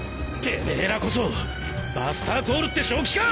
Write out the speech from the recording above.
てめえらこそバスターコールって正気か！？